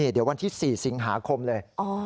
เดี๋ยววันที่๔สิงหาคมเลย